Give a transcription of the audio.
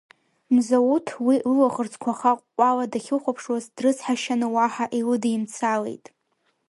Мзауҭ уи лылаӷырӡқәа хаҟәҟәала дахьлыхәаԥшуаз, дрыцҳашьаны, уаҳа илыдимцалеит.